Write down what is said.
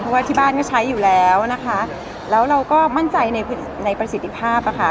เพราะว่าที่บ้านก็ใช้อยู่แล้วนะคะแล้วเราก็มั่นใจในประสิทธิภาพอ่ะค่ะ